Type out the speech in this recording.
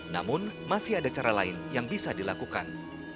namun masih ada cara lain yang bisa dilakukan